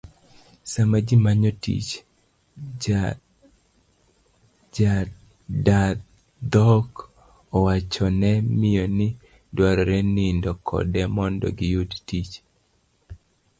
Sama ji manyo tich, jadadhok owachone miyo ni odwaro nindo kode mondo giyud tich